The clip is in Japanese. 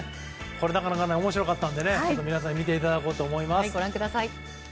なかなか面白かったので皆さんに見ていただこうと思います。